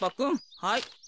はい。